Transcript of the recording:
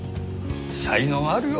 才能あるよ。